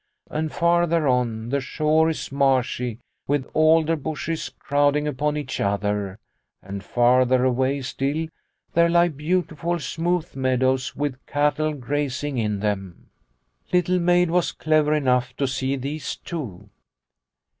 And farther on, the shore is marshy with alder bushes crowding upon each other, and farther away still there lie beautiful smooth meadows with cattle grazing in them." 34 Liliecrona's Home Little Maid was clever enough to see these too.